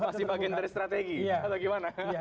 masih bagian dari strategi atau gimana